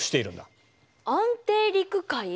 安定陸塊？